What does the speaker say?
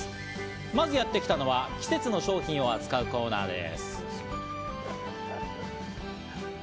まずやってきたのは季節の商品を扱うコーナーです。